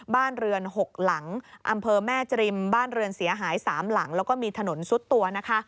บ้านเรือน๖หลังอำเภอแม่จริมบ้านเรือนเสียหาย๓หลังแล้วก็มีถนนซุดตัวนะคะ